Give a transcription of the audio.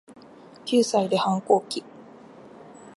九歳で反抗期